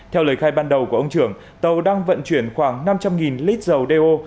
theo lời khai ban đầu của ông trưởng tàu đang vận chuyển khoảng năm trăm linh lít dầu đeo